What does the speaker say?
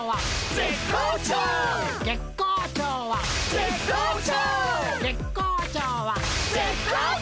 「絶好調」